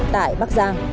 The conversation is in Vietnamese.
tại bắc giang